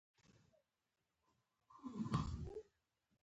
باران د بخار د یخېدو نتیجه ده.